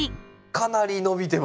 かなり伸びてますね。